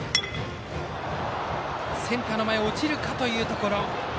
センターの前へ落ちるかというところ。